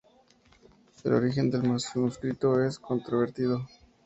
El origen del manuscrito es controvertido.